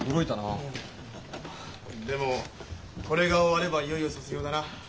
でもこれが終わればいよいよ卒業だな。